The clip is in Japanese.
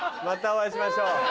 またお会いしましょう。